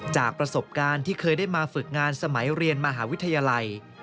จากประสบการณ์ที่เคยได้มาฝึกงานสมัยเรียนมหาวิทยาลัย